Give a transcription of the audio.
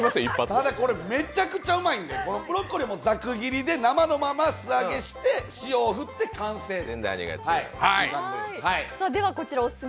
ただこれめちゃくちゃうまいんです、ブロッコリーもざく切りで生のまま素揚げして塩を振って完成です。